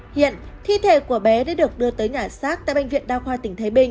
hiện thi thể của bé đã được đưa tới nhà xác tại bệnh viện đa khoa tỉnh thái bình